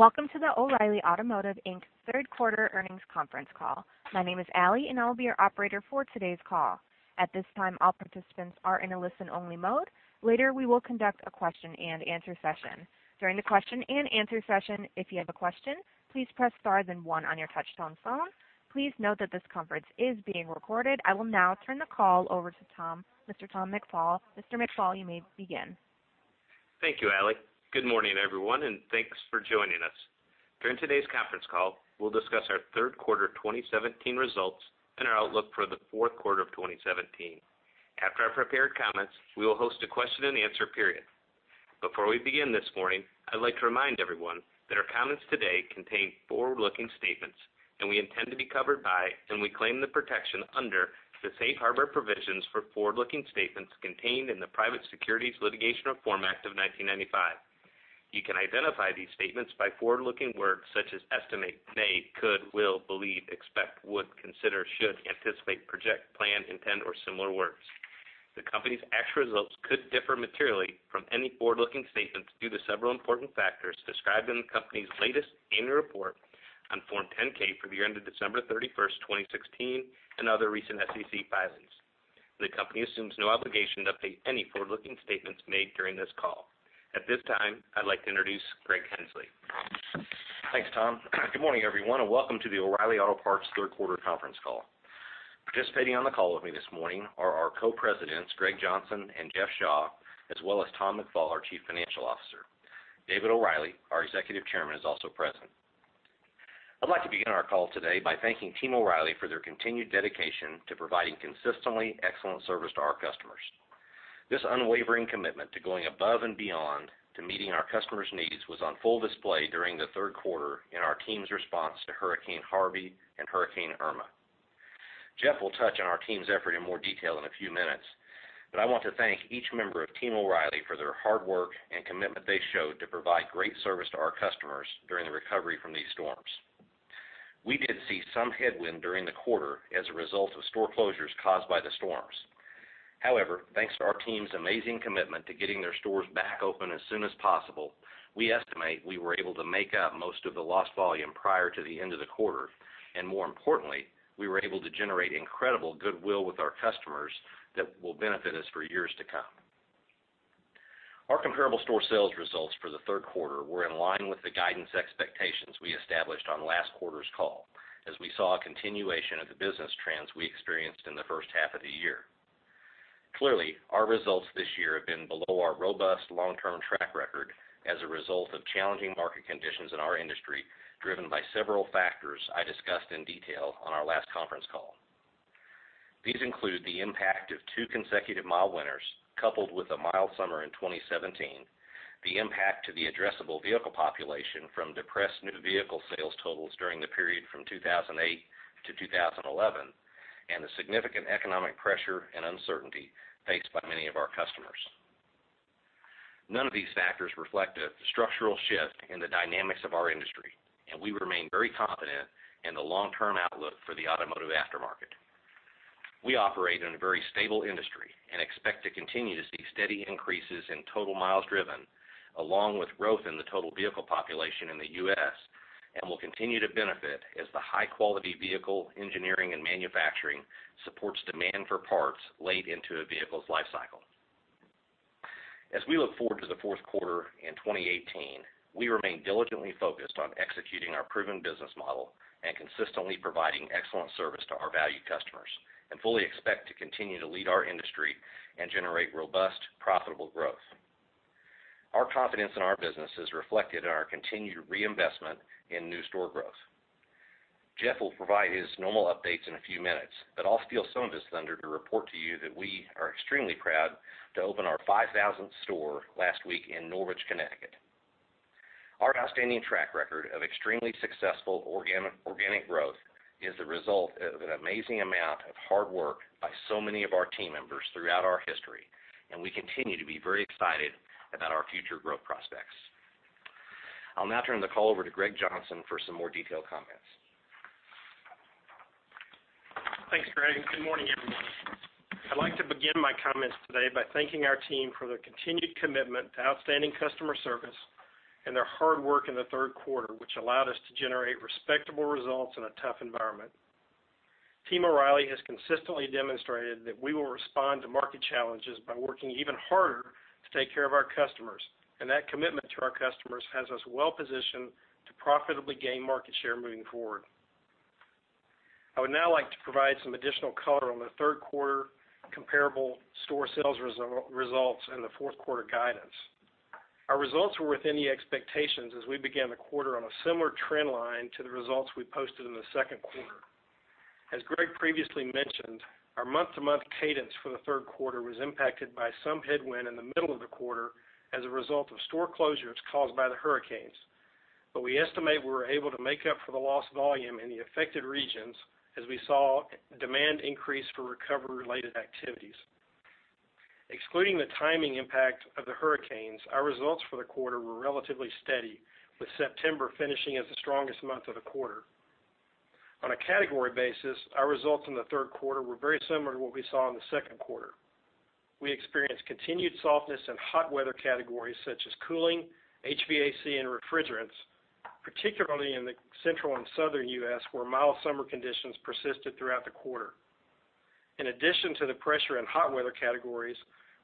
Welcome to the O'Reilly Automotive, Inc. third quarter earnings conference call. My name is Allie, and I'll be your operator for today's call. At this time, all participants are in a listen-only mode. Later, we will conduct a question and answer session. During the question and answer session, if you have a question, please press star then one on your touch-tone phone. Please note that this conference is being recorded. I will now turn the call over to Tom, Mr. Thomas McFall. Mr. McFall, you may begin. Thank you, Allie. Good morning, everyone, and thanks for joining us. During today's conference call, we'll discuss our third quarter 2017 results and our outlook for the fourth quarter of 2017. After our prepared comments, we will host a question and answer period. Before we begin this morning, I'd like to remind everyone that our comments today contain forward-looking statements, and we intend to be covered by and we claim the protection under the safe harbor provisions for forward-looking statements contained in the Private Securities Litigation Reform Act of 1995. You can identify these statements by forward-looking words such as estimate, may, could, will, believe, expect, would, consider, should, anticipate, project, plan, intend, or similar words. The company's actual results could differ materially from any forward-looking statements due to several important factors described in the company's latest annual report on Form 10-K for the year ended December 31st, 2016, and other recent SEC filings. The company assumes no obligation to update any forward-looking statements made during this call. At this time, I'd like to introduce Greg Henslee. Thanks, Tom. Good morning, everyone, and welcome to the O'Reilly Auto Parts third quarter conference call. Participating on the call with me this morning are our Co-Presidents, Greg Johnson and Jeff Shaw, as well as Thomas McFall, our Chief Financial Officer. David O'Reilly, our Executive Chairman, is also present. I'd like to begin our call today by thanking Team O'Reilly for their continued dedication to providing consistently excellent service to our customers. This unwavering commitment to going above and beyond to meeting our customers' needs was on full display during the third quarter in our team's response to Hurricane Harvey and Hurricane Irma. Jeff will touch on our team's effort in more detail in a few minutes, but I want to thank each member of Team O'Reilly for their hard work and commitment they showed to provide great service to our customers during the recovery from these storms. Thanks to our team's amazing commitment to getting their stores back open as soon as possible, we estimate we were able to make up most of the lost volume prior to the end of the quarter, and more importantly, we were able to generate incredible goodwill with our customers that will benefit us for years to come. Our comparable store sales results for the third quarter were in line with the guidance expectations we established on last quarter's call, as we saw a continuation of the business trends we experienced in the first half of the year. Our results this year have been below our robust long-term track record as a result of challenging market conditions in our industry, driven by several factors I discussed in detail on our last conference call. These include the impact of two consecutive mild winters, coupled with a mild summer in 2017, the impact to the addressable vehicle population from depressed new vehicle sales totals during the period from 2008 to 2011, and the significant economic pressure and uncertainty faced by many of our customers. None of these factors reflect a structural shift in the dynamics of our industry, and we remain very confident in the long-term outlook for the automotive aftermarket. We operate in a very stable industry and expect to continue to see steady increases in total miles driven, along with growth in the total vehicle population in the U.S. and will continue to benefit as the high-quality vehicle engineering and manufacturing supports demand for parts late into a vehicle's life cycle. As we look forward to the fourth quarter in 2018, we remain diligently focused on executing our proven business model and consistently providing excellent service to our valued customers and fully expect to continue to lead our industry and generate robust, profitable growth. Our confidence in our business is reflected in our continued reinvestment in new store growth. Jeff will provide his normal updates in a few minutes, but I'll steal some of his thunder to report to you that we are extremely proud to open our 5,000th store last week in Norwich, Connecticut. Our outstanding track record of extremely successful organic growth is the result of an amazing amount of hard work by so many of our team members throughout our history, and we continue to be very excited about our future growth prospects. I'll now turn the call over to Greg Johnson for some more detailed comments. Thanks, Greg. Good morning, everyone. I'd like to begin my comments today by thanking our team for their continued commitment to outstanding customer service and their hard work in the third quarter, which allowed us to generate respectable results in a tough environment. Team O’Reilly has consistently demonstrated that we will respond to market challenges by working even harder to take care of our customers, and that commitment to our customers has us well positioned to profitably gain market share moving forward. I would now like to provide some additional color on the third quarter comparable store sales results and the fourth quarter guidance. Our results were within the expectations as we began the quarter on a similar trend line to the results we posted in the second quarter. As Greg previously mentioned, our month-to-month cadence for the third quarter was impacted by some headwind in the middle of the quarter as a result of store closures caused by the hurricanes. We estimate we were able to make up for the lost volume in the affected regions as we saw demand increase for recovery-related activities. Excluding the timing impact of the hurricanes, our results for the quarter were relatively steady, with September finishing as the strongest month of the quarter. On a category basis, our results in the third quarter were very similar to what we saw in the second quarter. We experienced continued softness in hot weather categories such as cooling, HVAC, and refrigerants, particularly in the central and southern U.S., where mild summer conditions persisted throughout the quarter. In addition to the pressure in hot weather categories,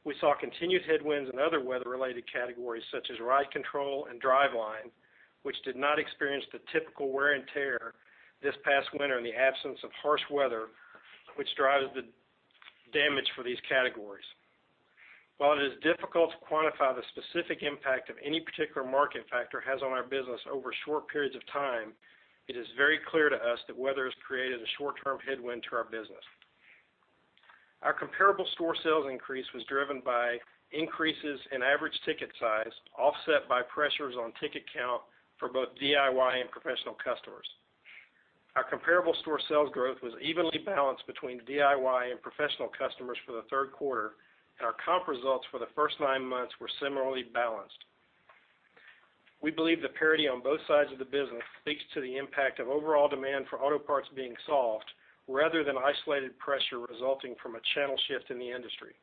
we saw continued headwinds in other weather-related categories such as ride control and driveline, which did not experience the typical wear and tear this past winter in the absence of harsh weather, which drives the damage for these categories. While it is difficult to quantify the specific impact of any particular market factor has on our business over short periods of time, it is very clear to us that weather has created a short-term headwind to our business. Our comparable store sales increase was driven by increases in average ticket size, offset by pressures on ticket count for both DIY and professional customers. Our comparable store sales growth was evenly balanced between DIY and professional customers for the third quarter, and our comp results for the first nine months were similarly balanced. We believe the parity on both sides of the business speaks to the impact of overall demand for auto parts being solved rather than isolated pressure resulting from a channel shift in the industry.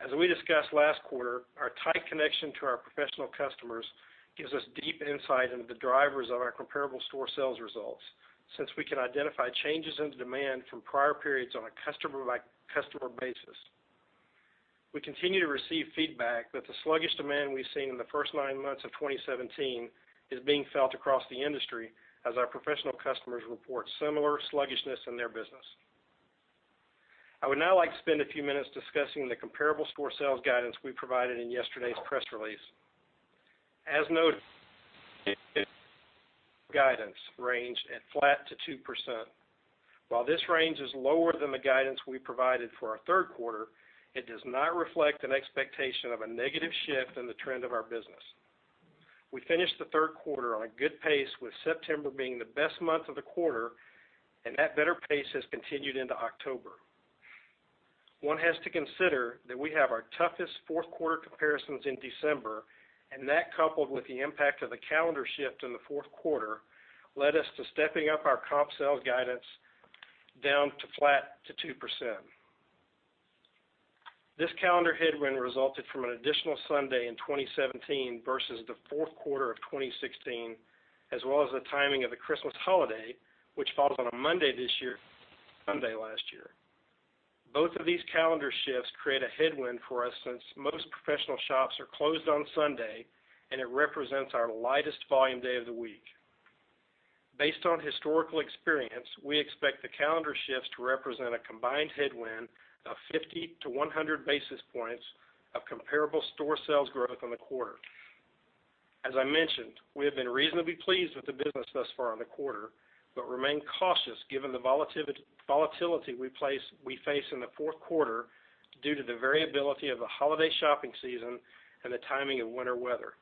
As we discussed last quarter, our tight connection to our professional customers gives us deep insight into the drivers of our comparable store sales results since we can identify changes in demand from prior periods on a customer-by-customer basis. We continue to receive feedback that the sluggish demand we've seen in the first nine months of 2017 is being felt across the industry as our professional customers report similar sluggishness in their business. I would now like to spend a few minutes discussing the comparable store sales guidance we provided in yesterday's press release. As noted, guidance ranged at flat to 2%. While this range is lower than the guidance we provided for our third quarter, it does not reflect an expectation of a negative shift in the trend of our business. We finished the third quarter on a good pace, with September being the best month of the quarter, and that better pace has continued into October. One has to consider that we have our toughest fourth-quarter comparisons in December. That, coupled with the impact of the calendar shift in the fourth quarter, led us to stepping up our comp sales guidance down to flat to 2%. This calendar headwind resulted from an additional Sunday in 2017 versus the fourth quarter of 2016, as well as the timing of the Christmas holiday, which falls on a Monday this year, Sunday last year. Both of these calendar shifts create a headwind for us since most professional shops are closed on Sunday, and it represents our lightest volume day of the week. Based on historical experience, we expect the calendar shifts to represent a combined headwind of 50 to 100 basis points of comparable store sales growth on the quarter. As I mentioned, we have been reasonably pleased with the business thus far on the quarter but remain cautious given the volatility we face in the fourth quarter due to the variability of the holiday shopping season and the timing of winter weather.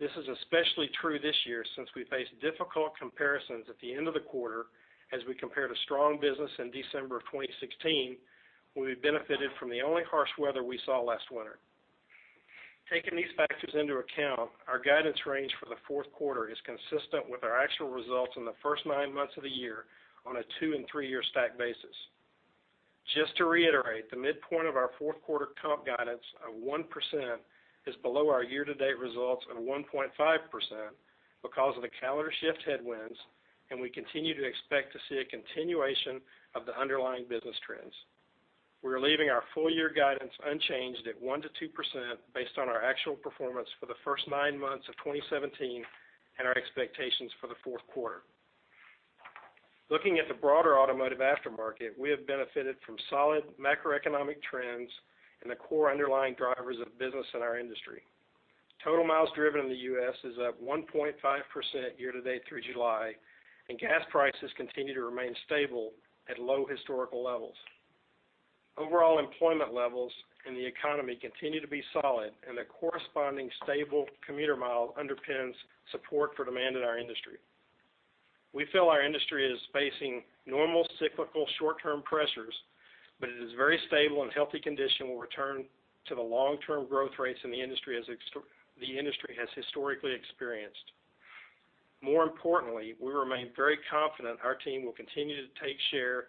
This is especially true this year since we face difficult comparisons at the end of the quarter as we compare to strong business in December of 2016 when we benefited from the only harsh weather we saw last winter. Taking these factors into account, our guidance range for the fourth quarter is consistent with our actual results in the first nine months of the year on a two and three-year stack basis. Just to reiterate, the midpoint of our fourth quarter comp guidance of 1% is below our year-to-date results of 1.5% because of the calendar shift headwinds. We continue to expect to see a continuation of the underlying business trends. We're leaving our full-year guidance unchanged at 1%-2% based on our actual performance for the first nine months of 2017 and our expectations for the fourth quarter. Looking at the broader automotive aftermarket, we have benefited from solid macroeconomic trends and the core underlying drivers of business in our industry. Total miles driven in the U.S. is up 1.5% year-to-date through July, and gas prices continue to remain stable at low historical levels. Overall employment levels in the economy continue to be solid, and the corresponding stable commuter mile underpins support for demand in our industry. We feel our industry is facing normal cyclical short-term pressures, but it is very stable, and healthy condition will return to the long-term growth rates the industry has historically experienced. More importantly, we remain very confident our team will continue to take share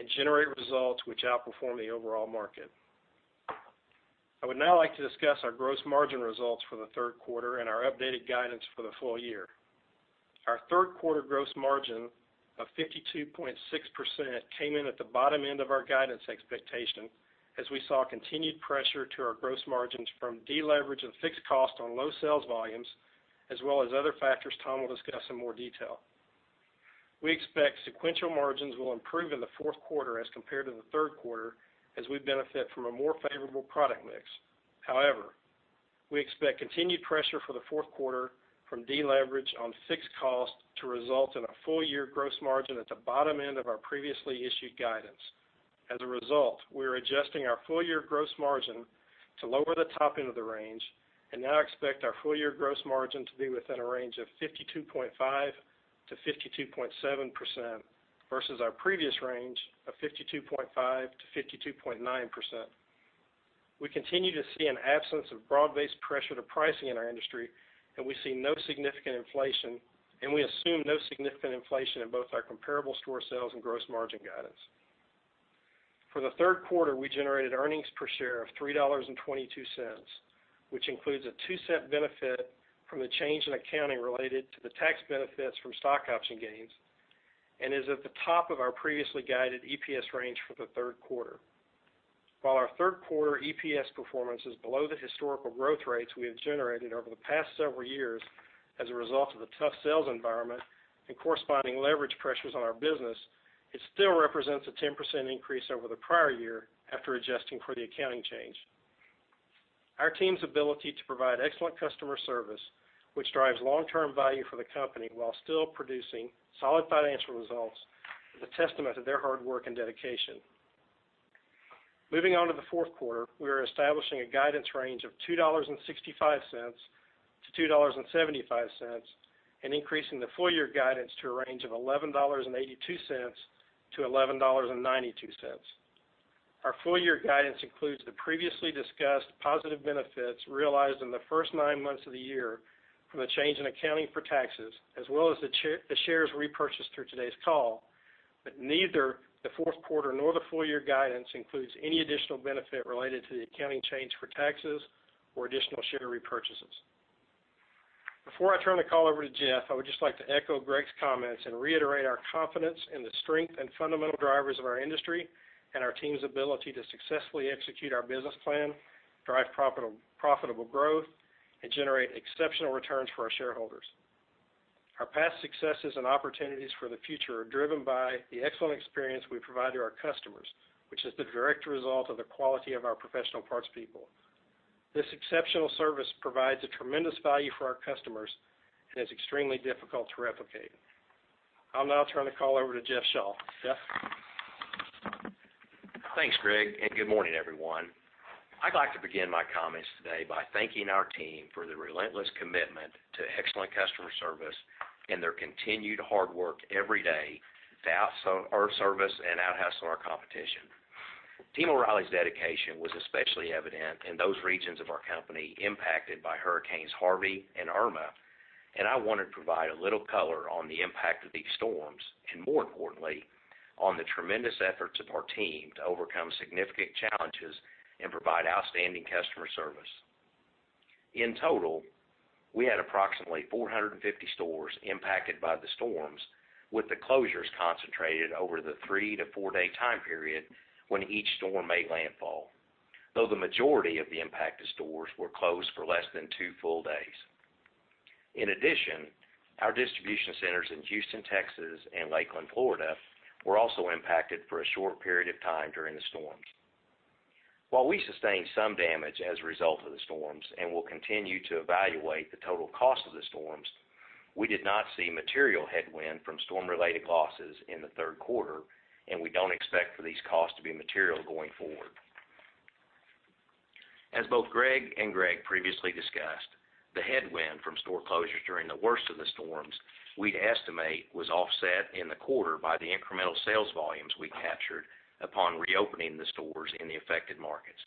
and generate results which outperform the overall market. I would now like to discuss our gross margin results for the third quarter and our updated guidance for the full year. Our third quarter gross margin of 52.6% came in at the bottom end of our guidance expectation as we saw continued pressure to our gross margins from deleverage of fixed cost on low sales volumes as well as other factors Tom will discuss in more detail. We expect sequential margins will improve in the fourth quarter as compared to the third quarter as we benefit from a more favorable product mix. We expect continued pressure for the fourth quarter from deleverage on fixed cost to result in a full-year gross margin at the bottom end of our previously issued guidance. As a result, we are adjusting our full-year gross margin to lower the top end of the range and now expect our full-year gross margin to be within a range of 52.5%-52.7% versus our previous range of 52.5%-52.9%. We continue to see an absence of broad-based pressure to pricing in our industry, we see no significant inflation, and we assume no significant inflation in both our comparable store sales and gross margin guidance. For the third quarter, we generated earnings per share of $3.22, which includes a $0.02 benefit from the change in accounting related to the tax benefits from stock option gains and is at the top of our previously guided EPS range for the third quarter. While our third quarter EPS performance is below the historical growth rates we have generated over the past several years as a result of the tough sales environment and corresponding leverage pressures on our business, it still represents a 10% increase over the prior year after adjusting for the accounting change. Our team's ability to provide excellent customer service, which drives long-term value for the company while still producing solid financial results, is a testament to their hard work and dedication. Moving on to the fourth quarter, we are establishing a guidance range of $2.65-$2.75 and increasing the full year guidance to a range of $11.82-$11.92. Our full year guidance includes the previously discussed positive benefits realized in the first nine months of the year from the change in accounting for taxes, as well as the shares repurchased through today's call, but neither the fourth quarter nor the full year guidance includes any additional benefit related to the accounting change for taxes or additional share repurchases. Before I turn the call over to Jeff, I would just like to echo Greg's comments and reiterate our confidence in the strength and fundamental drivers of our industry and our team's ability to successfully execute our business plan, drive profitable growth, and generate exceptional returns for our shareholders. Our past successes and opportunities for the future are driven by the excellent experience we provide to our customers, which is the direct result of the quality of our professional parts people. This exceptional service provides a tremendous value for our customers and is extremely difficult to replicate. I'll now turn the call over to Jeff Shaw. Jeff? Thanks, Greg, and good morning, everyone. I'd like to begin my comments today by thanking our team for their relentless commitment to excellent customer service and their continued hard work every day to out-service and outhustle our competition. Team O’Reilly's dedication was especially evident in those regions of our company impacted by hurricanes Harvey and Irma, and I want to provide a little color on the impact of these storms and, more importantly, on the tremendous efforts of our team to overcome significant challenges and provide outstanding customer service. In total, we had approximately 450 stores impacted by the storms, with the closures concentrated over the three- to four-day time period when each storm made landfall, though the majority of the impacted stores were closed for less than two full days. In addition, our distribution centers in Houston, Texas, and Lakeland, Florida, were also impacted for a short period of time during the storms. While we sustained some damage as a result of the storms and will continue to evaluate the total cost of the storms, we did not see material headwind from storm-related losses in the third quarter, and we don't expect for these costs to be material going forward. As both Greg and Greg previously discussed, the headwind from store closures during the worst of the storms we'd estimate was offset in the quarter by the incremental sales volumes we captured upon reopening the stores in the affected markets.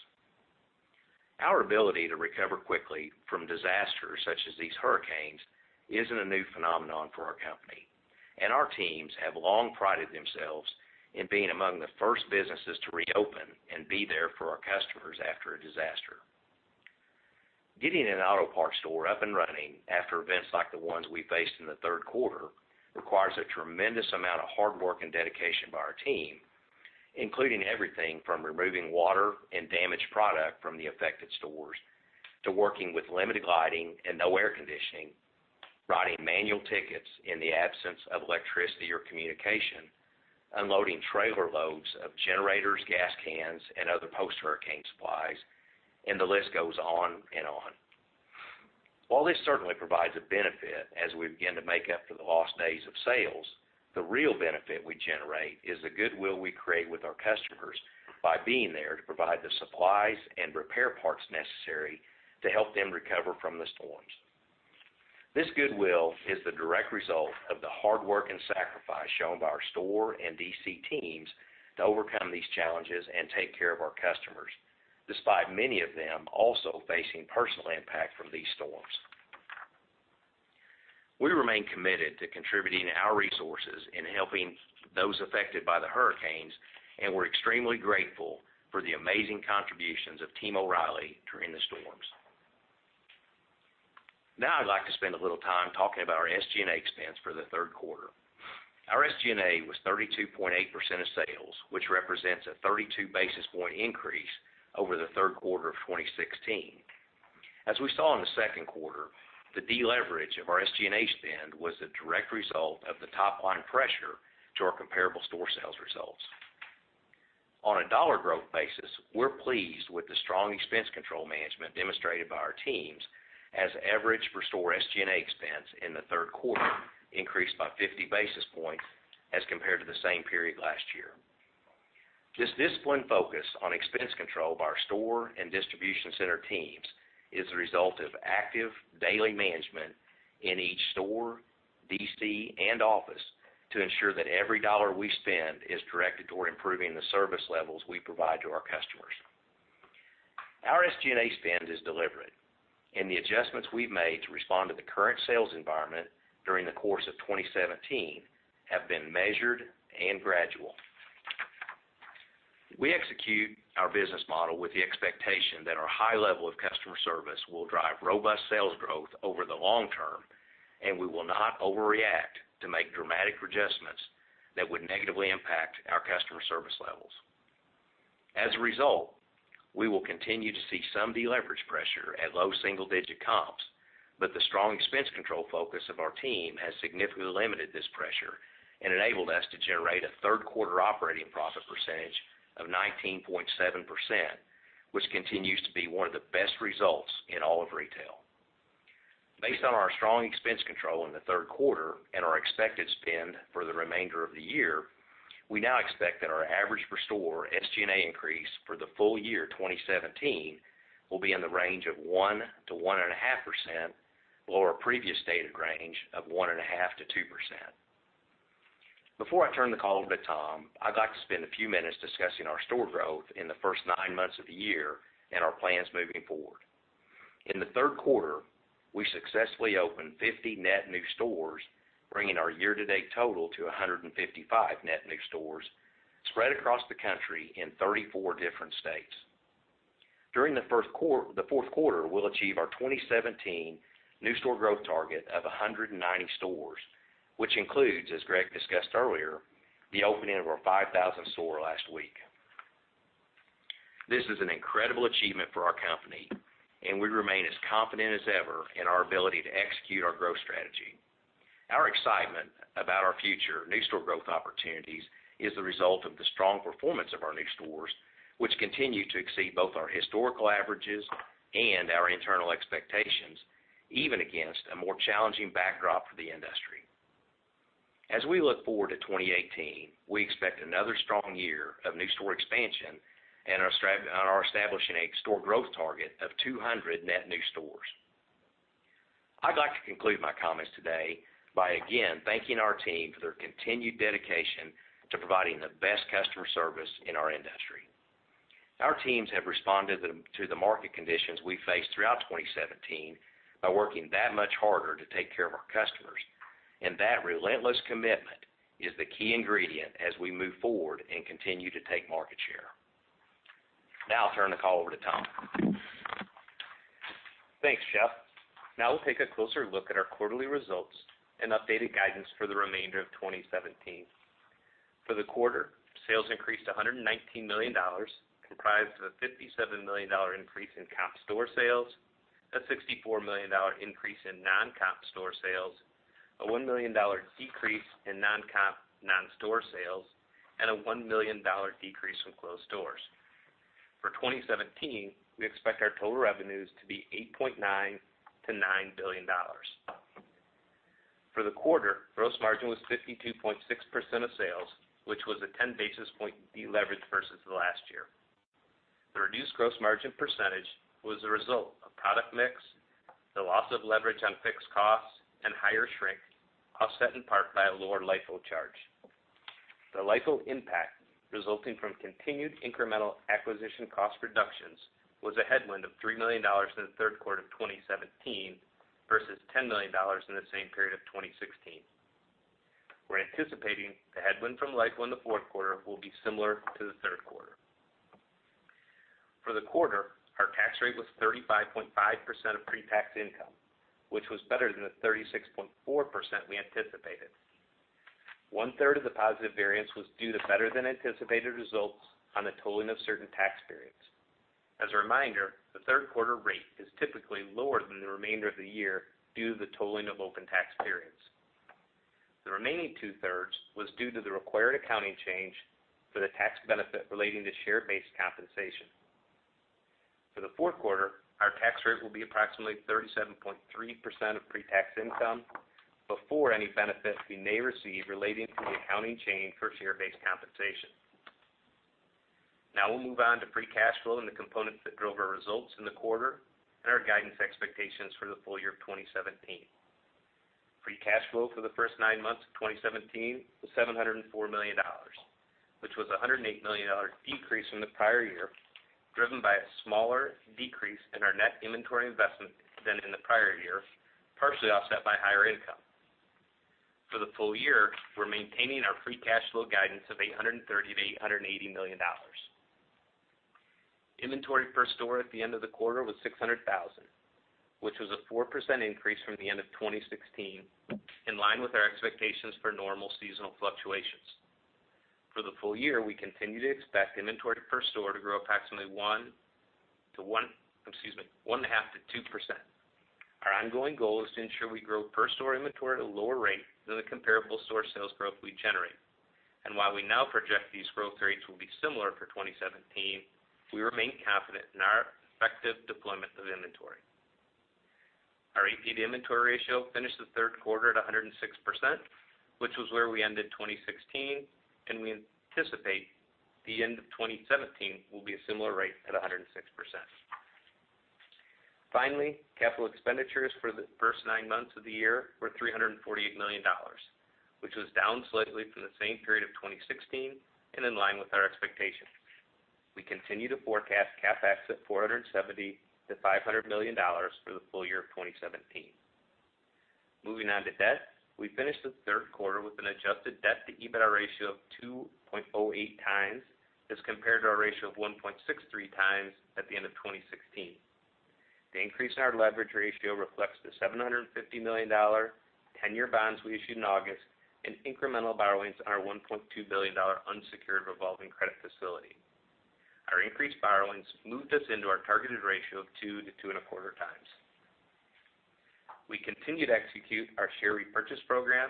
Our ability to recover quickly from disasters such as these hurricanes isn't a new phenomenon for our company, and our teams have long prided themselves in being among the first businesses to reopen and be there for our customers after a disaster. Getting an auto parts store up and running after events like the ones we faced in the third quarter requires a tremendous amount of hard work and dedication by our team, including everything from removing water and damaged product from the affected stores to working with limited lighting and no air conditioning, writing manual tickets in the absence of electricity or communication, unloading trailer loads of generators, gas cans, and other post-hurricane supplies, and the list goes on and on. While this certainly provides a benefit as we begin to make up for the lost days of sales, the real benefit we generate is the goodwill we create with our customers by being there to provide the supplies and repair parts necessary to help them recover from the storms. This goodwill is the direct result of the hard work and sacrifice shown by our store and DC teams to overcome these challenges and take care of our customers, despite many of them also facing personal impact from these storms. We remain committed to contributing our resources and helping those affected by the hurricanes, and we're extremely grateful for the amazing contributions of Team O’Reilly during the storms. I'd like to spend a little time talking about our SG&A expense for the third quarter. Our SG&A was 32.8% of sales, which represents a 32 basis point increase over the third quarter of 2016. As we saw in the second quarter, the deleverage of our SG&A spend was a direct result of the top-line pressure to our comparable store sales results. On a dollar growth basis, we're pleased with the strong expense control management demonstrated by our teams, as average per store SG&A expense in the third quarter increased by 50 basis points as compared to the same period last year. This disciplined focus on expense control by our store and distribution center teams is the result of active daily management in each store, DC, and office to ensure that every dollar we spend is directed toward improving the service levels we provide to our customers. Our SG&A spend is deliberate, the adjustments we've made to respond to the current sales environment during the course of 2017 have been measured and gradual. We execute our business model with the expectation that our high level of customer service will drive robust sales growth over the long term, we will not overreact to make dramatic adjustments that would negatively impact our customer service levels. As a result, we will continue to see some deleverage pressure at low single-digit comps, the strong expense control focus of our team has significantly limited this pressure and enabled us to generate a third-quarter operating profit percentage of 19.7%, which continues to be one of the best results in all of retail. Based on our strong expense control in the third quarter and our expected spend for the remainder of the year, we now expect that our average per store SG&A increase for the full year 2017 will be in the range of 1%-1.5%, or our previous stated range of 1.5%-2%. Before I turn the call over to Tom, I'd like to spend a few minutes discussing our store growth in the first nine months of the year and our plans moving forward. In the third quarter, we successfully opened 50 net new stores, bringing our year-to-date total to 155 net new stores spread across the country in 34 different states. During the fourth quarter, we'll achieve our 2017 new store growth target of 190 stores, which includes, as Greg discussed earlier, the opening of our 5,000th store last week. This is an incredible achievement for our company. We remain as confident as ever in our ability to execute our growth strategy. Our excitement about our future new store growth opportunities is the result of the strong performance of our new stores, which continue to exceed both our historical averages and our internal expectations, even against a more challenging backdrop for the industry. As we look forward to 2018, we expect another strong year of new store expansion and are establishing a store growth target of 200 net new stores. I'd like to conclude my comments today by again thanking our team for their continued dedication to providing the best customer service in our industry. Our teams have responded to the market conditions we faced throughout 2017 by working that much harder to take care of our customers. That relentless commitment is the key ingredient as we move forward and continue to take market share. Now I'll turn the call over to Tom. Thanks, Jeff. Now we'll take a closer look at our quarterly results and updated guidance for the remainder of 2017. For the quarter, sales increased to $119 million, comprised of a $57 million increase in comp store sales, a $64 million increase in non-comp store sales, a $1 million decrease in non-comp non-store sales, a $1 million decrease from closed stores. For 2017, we expect our total revenues to be $8.9 billion-$9 billion. For the quarter, gross margin was 52.6% of sales, which was a 10-basis point deleverage versus last year. The reduced gross margin percentage was the result of product mix, the loss of leverage on fixed costs, higher shrink, offset in part by a lower LIFO charge. The LIFO impact resulting from continued incremental acquisition cost reductions was a headwind of $3 million in the third quarter of 2017 versus $10 million in the same period of 2016. We're anticipating the headwind from LIFO in the fourth quarter will be similar to the third quarter. For the quarter, our tax rate was 35.5% of pre-tax income, which was better than the 36.4% we anticipated. One-third of the positive variance was due to better than anticipated results on the totaling of certain tax periods. As a reminder, the third quarter rate is typically lower than the remainder of the year due to the totaling of open tax periods. The remaining two-thirds was due to the required accounting change for the tax benefit relating to share-based compensation. For the fourth quarter, our tax rate will be approximately 37.3% of pre-tax income before any benefit we may receive relating to the accounting change for share-based compensation. We'll move on to free cash flow and the components that drove our results in the quarter and our guidance expectations for the full year of 2017. Free cash flow for the first nine months of 2017 was $704 million, which was a $108 million decrease from the prior year, driven by a smaller decrease in our net inventory investment than in the prior year, partially offset by higher income. For the full year, we're maintaining our free cash flow guidance of $830 million-$880 million. Inventory per store at the end of the quarter was $600,000, which was a 4% increase from the end of 2016, in line with our expectations for normal seasonal fluctuations. For the full year, we continue to expect inventory per store to grow approximately 1.5%-2%. Our ongoing goal is to ensure we grow per store inventory at a lower rate than the comparable store sales growth we generate. While we now project these growth rates will be similar for 2017, we remain confident in our effective deployment of inventory. Our AP to inventory ratio finished the third quarter at 106%, which was where we ended 2016, and we anticipate the end of 2017 will be a similar rate at 106%. Capital expenditures for the first nine months of the year were $348 million, which was down slightly from the same period of 2016 and in line with our expectations. We continue to forecast CapEx at $470 million-$500 million for the full year of 2017. Moving on to debt. We finished the third quarter with an adjusted debt-to-EBITDA ratio of 2.08 times, as compared to our ratio of 1.63 times at the end of 2016. The increase in our leverage ratio reflects the $750 million 10-year bonds we issued in August and incremental borrowings on our $1.2 billion unsecured revolving credit facility. Our increased borrowings moved us into our targeted ratio of 2 to 2.25 times. We continue to execute our share repurchase program,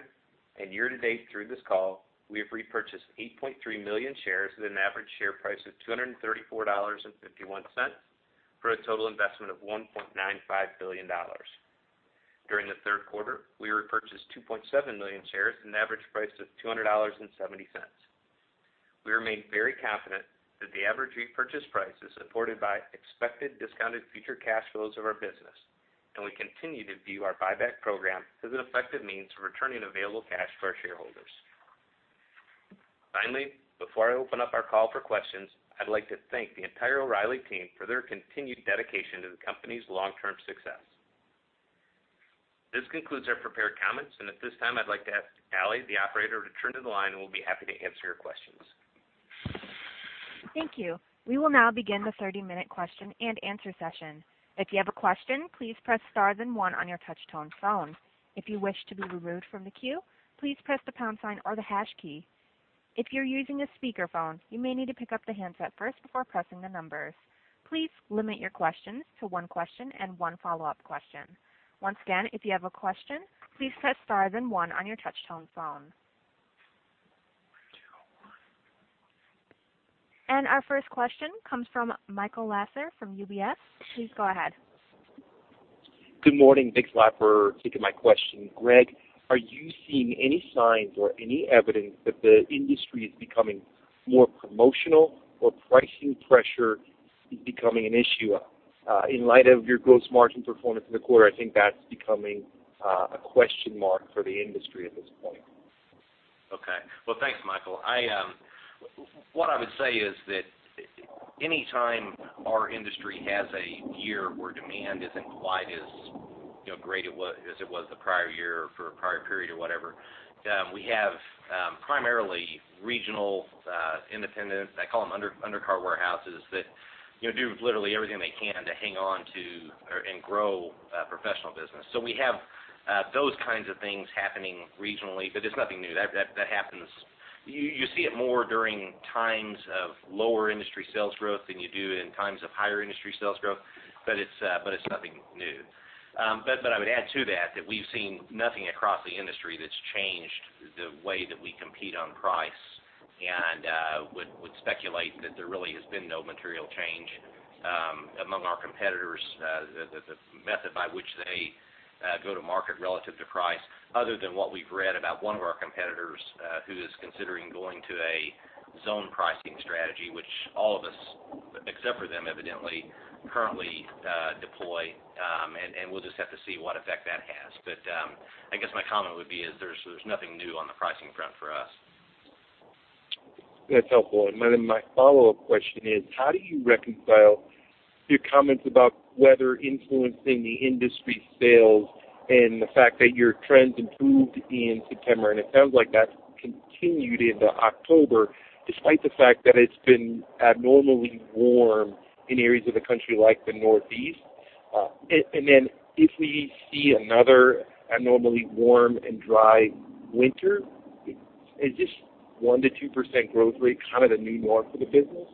and year-to-date through this call, we have repurchased 8.3 million shares at an average share price of $234.51 for a total investment of $1.95 billion. During the third quarter, we repurchased 2.7 million shares at an average price of $200.70. We remain very confident that the average repurchase price is supported by expected discounted future cash flows of our business, and we continue to view our buyback program as an effective means of returning available cash to our shareholders. Before I open up our call for questions, I'd like to thank the entire O'Reilly team for their continued dedication to the company's long-term success. This concludes our prepared comments, and at this time I'd like to ask Allie, the operator, to turn to the line, and we'll be happy to answer your questions. Thank you. We will now begin the 30-minute question-and-answer session. If you have a question, please press star then one on your touch-tone phone. If you wish to be removed from the queue, please press the pound sign or the hash key. If you're using a speakerphone, you may need to pick up the handset first before pressing the numbers. Please limit your questions to one question and one follow-up question. Once again, if you have a question, please press star then one on your touch-tone phone. One, two, one. Our first question comes from Michael Lasser from UBS. Please go ahead. Good morning. Thanks a lot for taking my question. Greg, are you seeing any signs or any evidence that the industry is becoming more promotional or pricing pressure is becoming an issue? In light of your gross margin performance in the quarter, I think that's becoming a question mark for the industry at this point. Well, thanks, Michael. What I would say is that anytime our industry has a year where demand isn't quite as great as it was the prior year or for a prior period or whatever, we have primarily regional independents, I call them undercar warehouses, that do literally everything they can to hang on to and grow professional business. We have those kinds of things happening regionally, but it's nothing new. You see it more during times of lower industry sales growth than you do in times of higher industry sales growth, but it's nothing new. I would add to that we've seen nothing across the industry that's changed the way that we compete on price and would speculate that there really has been no material change among our competitors, the method by which they go to market relative to price, other than what we've read about one of our competitors who is considering going to a zone pricing strategy, which all of us except for them evidently currently deploy. We'll just have to see what effect that has. I guess my comment would be is there's nothing new on the pricing front for us. That's helpful. My follow-up question is, how do you reconcile your comments about weather influencing the industry sales and the fact that your trends improved in September? It sounds like that's continued into October, despite the fact that it's been abnormally warm in areas of the country like the Northeast. If we see another abnormally warm and dry winter, is this 1%-2% growth rate kind of the new norm for the business?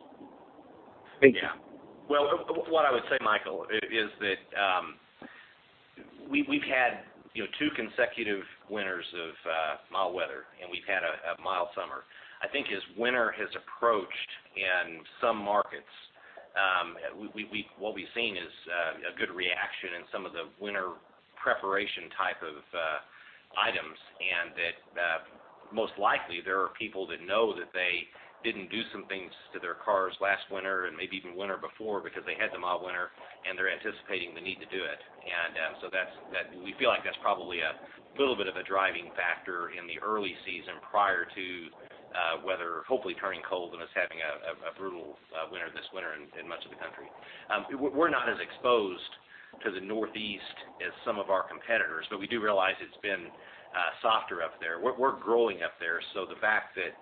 Thank you. Well, what I would say, Michael, is that we've had two consecutive winters of mild weather, and we've had a mild summer. I think as winter has approached in some markets, what we've seen is a good reaction in some of the winter preparation type of items, and that most likely there are people that know that they didn't do some things to their cars last winter and maybe even winter before because they had the mild winter, and they're anticipating the need to do it. We feel like that's probably a little bit of a driving factor in the early season prior to weather hopefully turning cold and us having a brutal winter this winter in much of the country. We're not as exposed to the Northeast as some of our competitors, but we do realize it's been softer up there. We're growing up there, the fact that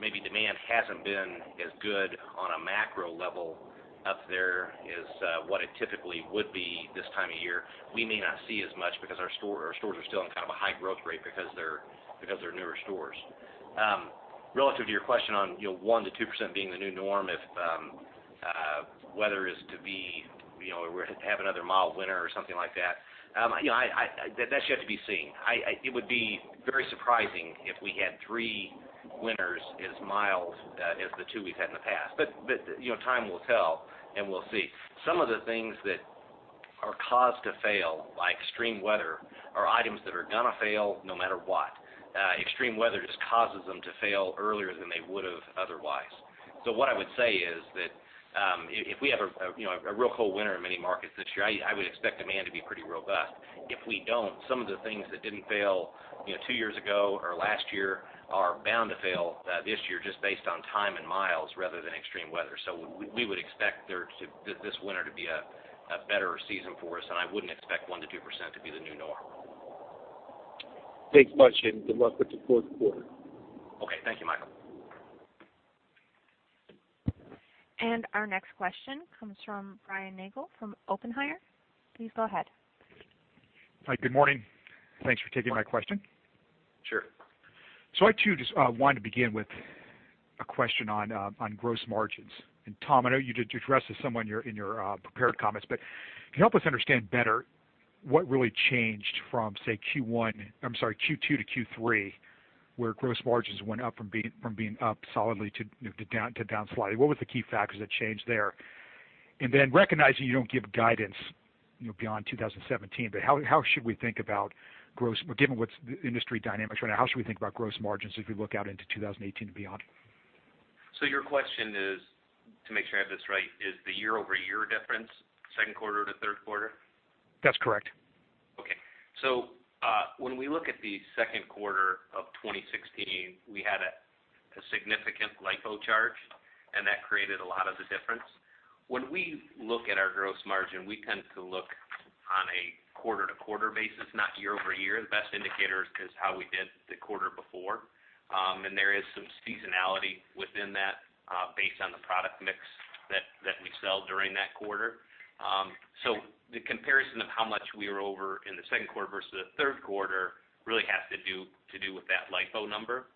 maybe demand hasn't been as good on a macro level up there as what it typically would be this time of year, we may not see as much because our stores are still in kind of a high growth rate because they're newer stores. Relative to your question on 1% to 2% being the new norm if weather is to be, we're to have another mild winter or something like that's yet to be seen. It would be very surprising if we had three winters as mild as the two we've had in the past. Time will tell, and we'll see. Some of the things that are caused to fail by extreme weather or items that are going to fail no matter what. Extreme weather just causes them to fail earlier than they would've otherwise. What I would say is that if we have a real cold winter in many markets this year, I would expect demand to be pretty robust. If we don't, some of the things that didn't fail two years ago or last year are bound to fail this year just based on time and miles rather than extreme weather. We would expect this winter to be a better season for us, and I wouldn't expect 1% to 2% to be the new norm. Thanks much, and good luck with the fourth quarter. Okay. Thank you, Michael. Our next question comes from Brian from Oppenheimer. Please go ahead. Hi. Good morning. Thanks for taking my question. Sure. I, too, just wanted to begin with a question on gross margins. Tom, I know you did address this somewhere in your prepared comments, but can you help us understand better what really changed from, say, Q2 to Q3, where gross margins went up from being up solidly to down sliding? What was the key factors that changed there? Then recognizing you don't give guidance beyond 2017, but given what's industry dynamics right now, how should we think about gross margins as we look out into 2018 and beyond? Your question is, to make sure I have this right, is the year-over-year difference, second quarter to third quarter? That's correct. When we look at the second quarter of 2016, we had a significant LIFO charge, and that created a lot of the difference. When we look at our gross margin, we tend to look on a quarter-to-quarter basis, not year-over-year. The best indicator is how we did the quarter before. There is some seasonality within that based on the product mix that we sell during that quarter. The comparison of how much we are over in the second quarter versus the third quarter really has to do with that LIFO number.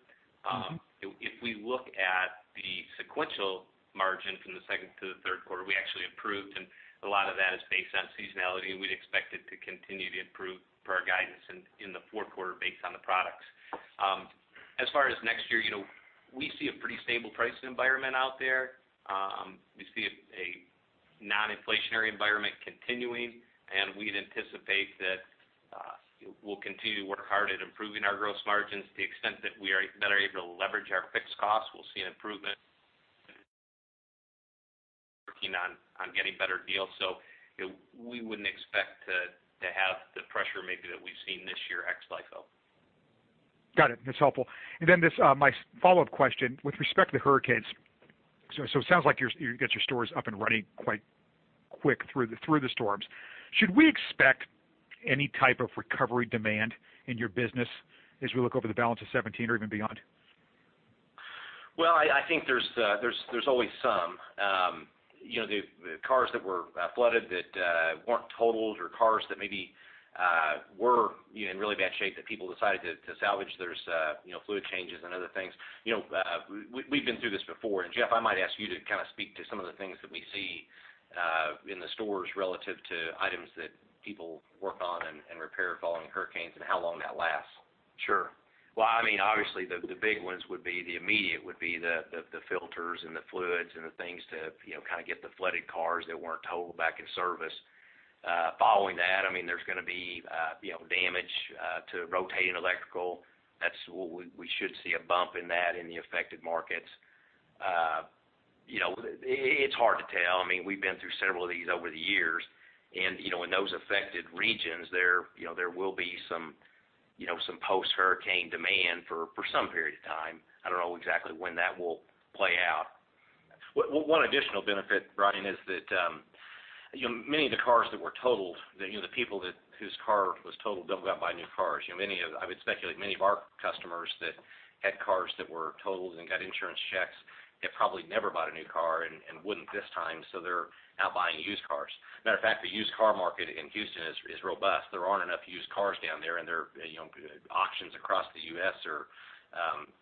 If we look at the sequential margin from the second to the third quarter, we actually improved, A lot of that is based on seasonality, and we'd expect it to continue to improve per our guidance in the fourth quarter based on the products. As far as next year, we see a pretty stable pricing environment out there. We see a non-inflationary environment continuing, We'd anticipate that we'll continue to work hard at improving our gross margins to the extent that we are better able to leverage our fixed costs. We'll see an improvement working on getting better deals, We wouldn't expect to have the pressure maybe that we've seen this year ex LIFO. Got it. That's helpful. My follow-up question, with respect to the hurricanes, It sounds like you got your stores up and running quite quick through the storms. Should we expect any type of recovery demand in your business as we look over the balance of 2017 or even beyond? Well, I think there's always some. The cars that were flooded that weren't totaled or cars that maybe were in really bad shape that people decided to salvage, there's fluid changes and other things. We've been through this before. Jeff, I might ask you to speak to some of the things that we see in the stores relative to items that people work on and repair following hurricanes and how long that lasts. Sure. Well, obviously, the big ones would be the immediate would be the filters and the fluids and the things to get the flooded cars that weren't totaled back in service. Following that, there's going to be damage to rotating electrical. We should see a bump in that in the affected markets. It's hard to tell. We've been through several of these over the years. In those affected regions, there will be some post-hurricane demand for some period of time. I don't know exactly when that will play out. One additional benefit, Brian, is that many of the cars that were totaled, the people whose car was totaled don't go out and buy new cars. I would speculate many of our customers that had cars that were totaled and got insurance checks have probably never bought a new car and wouldn't this time. They're out buying used cars. Matter of fact, the used car market in Houston is robust. There aren't enough used cars down there. There are auctions across the U.S. are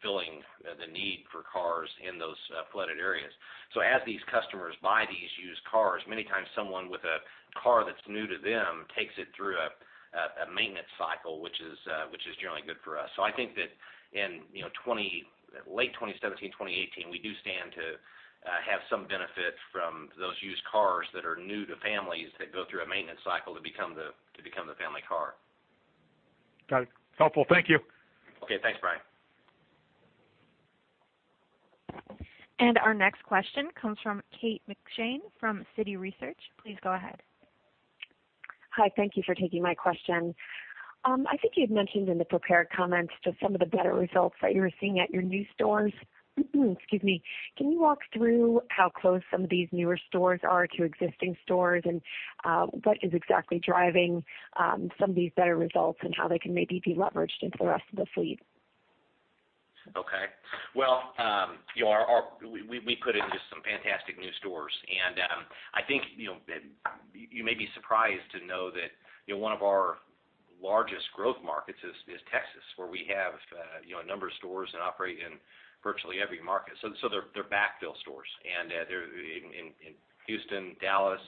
filling the need for cars in those flooded areas. As these customers buy these used cars, many times someone with a car that's new to them takes it through a maintenance cycle, which is generally good for us. I think that in late 2017, 2018, we do stand to have some benefit from those used cars that are new to families that go through a maintenance cycle to become the family car. Got it. Helpful. Thank you. Okay, thanks, Brian. Our next question comes from Kate McShane from Citi Research. Please go ahead. Hi. Thank you for taking my question. I think you had mentioned in the prepared comments just some of the better results that you were seeing at your new stores. Excuse me. Can you walk through how close some of these newer stores are to existing stores, and what is exactly driving some of these better results and how they can maybe be leveraged into the rest of the fleet? Okay. Well, we put in just some fantastic new stores, I think you may be surprised to know that one of our largest growth markets is Texas, where we have a number of stores and operate in virtually every market. They're backfill stores, and they're in Houston, Dallas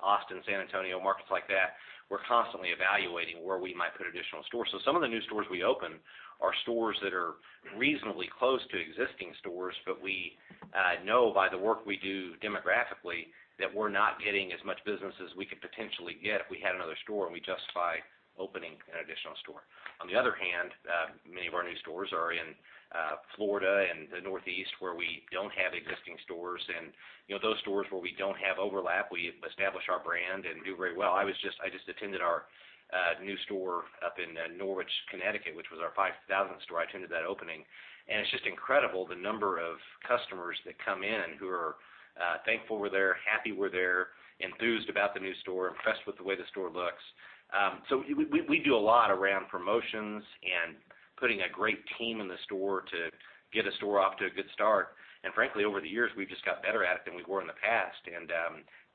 Austin, San Antonio, markets like that, we're constantly evaluating where we might put additional stores. Some of the new stores we open are stores that are reasonably close to existing stores, we know by the work we do demographically that we're not getting as much business as we could potentially get if we had another store, and we justify opening an additional store. On the other hand, many of our new stores are in Florida and the Northeast, where we don't have existing stores. Those stores where we don't have overlap, we establish our brand and do very well. I just attended our new store up in Norwich, Connecticut, which was our 5,000th store. I attended that opening. It's just incredible the number of customers that come in who are thankful we're there, happy we're there, enthused about the new store, impressed with the way the store looks. We do a lot around promotions and putting a great team in the store to get a store off to a good start. Frankly, over the years, we've just got better at it than we were in the past.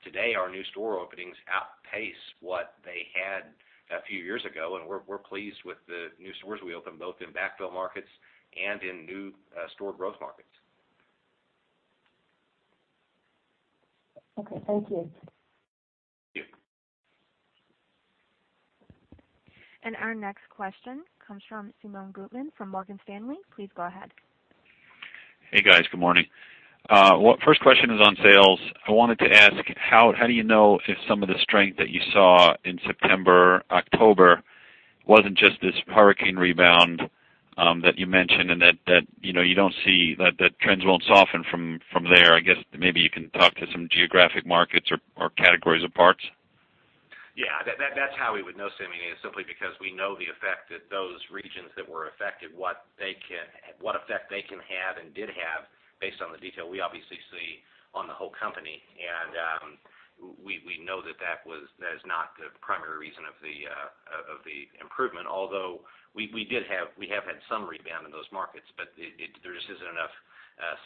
Today, our new store openings outpace what they had a few years ago, and we're pleased with the new stores we opened, both in backfill markets and in new store growth markets. Okay. Thank you. Thank you. Our next question comes from Simeon Gutman from Morgan Stanley. Please go ahead. Hey, guys. Good morning. First question is on sales. I wanted to ask, how do you know if some of the strength that you saw in September, October wasn't just this hurricane rebound that you mentioned, and that you don't see that trends won't soften from there? I guess maybe you can talk to some geographic markets or categories of parts. Yeah, that's how we would know, Simeon, is simply because we know the effect that those regions that were affected, what effect they can have and did have based on the detail we obviously see on the whole company. We know that is not the primary reason of the improvement, although we have had some rebound in those markets, but there just isn't enough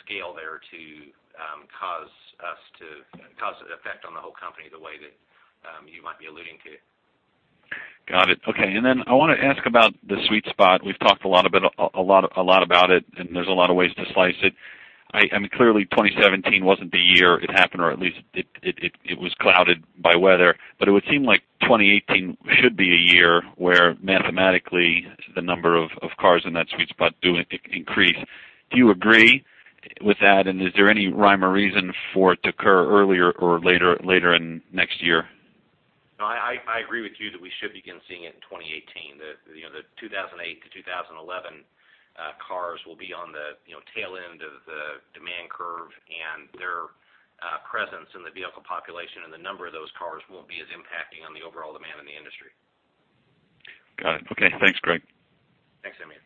scale there to cause an effect on the whole company the way that you might be alluding to. Got it. Okay. I want to ask about the sweet spot. We've talked a lot about it, and there's a lot of ways to slice it. Clearly, 2017 wasn't the year it happened, or at least it was clouded by weather, but it would seem like 2018 should be a year where mathematically, the number of cars in that sweet spot do increase. Do you agree with that? Is there any rhyme or reason for it to occur earlier or later in next year? No, I agree with you that we should begin seeing it in 2018. The 2008 to 2011 cars will be on the tail end of the demand curve, and their presence in the vehicle population and the number of those cars won't be as impacting on the overall demand in the industry. Got it. Okay. Thanks, Greg. Thanks, Simeon.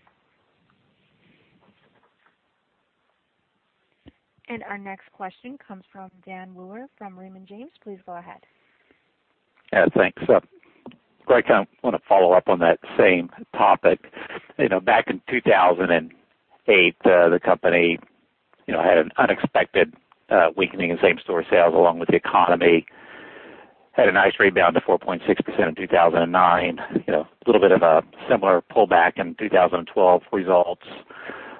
Our next question comes from Daniel Kuehn from Raymond James. Please go ahead. Yeah, thanks. Greg, I want to follow up on that same topic. Back in 2008, the company had an unexpected weakening in same-store sales along with the economy, had a nice rebound to 4.6% in 2009. A little bit of a similar pullback in 2012 results,